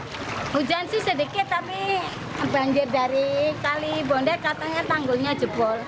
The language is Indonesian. hujan sih sedikit tapi banjir dari kali bondet katanya tanggulnya jebol